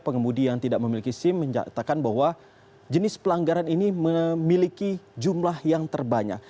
pengemudi yang tidak memiliki sim menyatakan bahwa jenis pelanggaran ini memiliki jumlah yang terbanyak